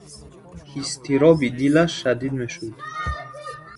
Изтироби дилаш шадид мешуд.